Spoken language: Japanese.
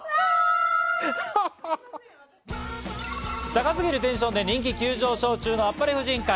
高すぎるテンションで人気急上昇中のあっぱれ婦人会。